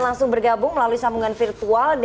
masih di mute